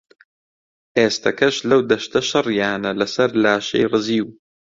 ئێستەکەش لەو دەشتە شەڕیانە لەسەر لاشەی ڕزیو